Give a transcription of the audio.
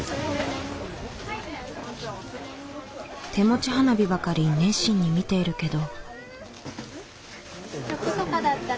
手持ち花火ばかり熱心に見ているけど。